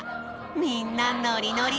みんなノリノリ！